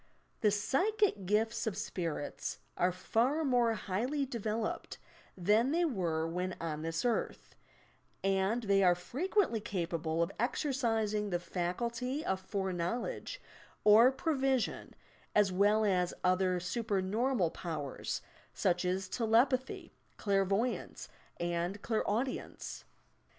The psychic gifts of spirits are far more highly developed than they were when on this earth, and they are frequently capable of exercising the faculty of fore knowledge or prevision as well as other supernormal powers, — such as telepathy, clairvoyance and clairau dience.